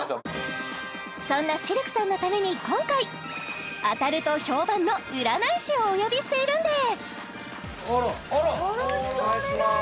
そんなシルクさんのために今回当たると評判の占い師をお呼びしているんですお願いします